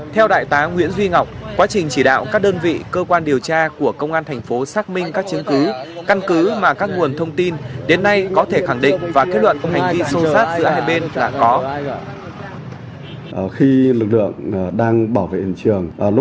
theo đại tá nguyễn duy ngọc quá trình chỉ đạo các đơn vị cơ quan điều tra của công an thành phố xác minh các chứng cứ căn cứ mà các nguồn thông tin đến nay có thể khẳng định và kết luận hành vi sâu sát giữa hai bên đã có